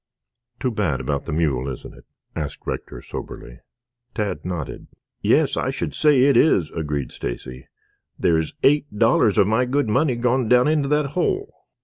"Too bad about the mule, isn't it?" asked Rector soberly. Tad nodded. "Yes, I should say it is," agreed Stacy. "There's eight dollars of my good money gone down into that hole."